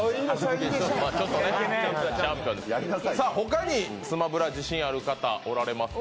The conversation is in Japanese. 他に「スマブラ」自信ある方おられますか？